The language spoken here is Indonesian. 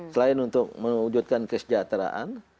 selain untuk mewujudkan kesejahteraan